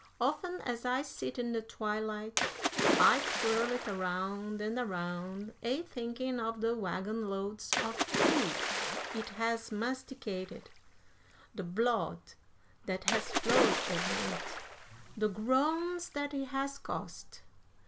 "Often as I sit in the twilight, I twirl it around and around, a thinking of the wagon loads of food it has masticated, the blood that has flowed over it, the groans that it has cost!